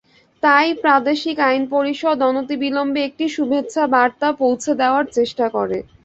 তাই প্রাদেশিক আইন পরিষদ অনতিবিলম্বে একটি শুভেচ্ছাবার্তা পৌঁছে দেওয়ার চেষ্টা করে।